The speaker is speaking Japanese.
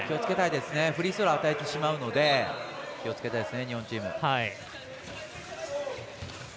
フリースローを与えてしまうので気をつけたいですね、日本チーム。